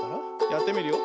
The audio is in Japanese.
やってみるよ。